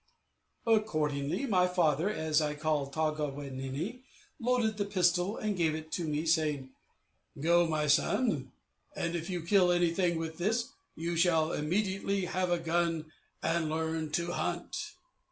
Accordingly, my father, as I called Taw ga we ninne, loaded the pistol and gave it to me, saying, "Go, my son, and if you kill anything with this, you shall immediately have a gun and learn to hunt."